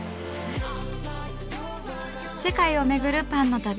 世界をめぐるパンの旅。